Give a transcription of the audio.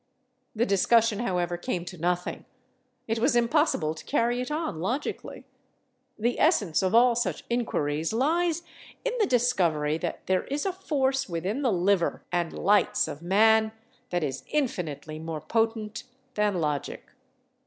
... The discussion, however, came to nothing. It was impossible to carry it on logically. The essence of all such inquiries lies in the discovery that there is a force within the liver and lights of man that is infinitely more potent than logic.